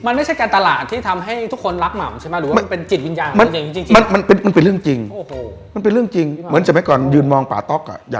มันไม่ใช่การตลาดที่ทำให้ทุกคนรักหม่ำใช่มั้ย